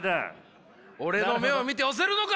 俺の目を見て押せるのか！